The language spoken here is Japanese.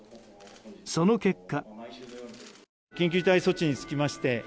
その結果。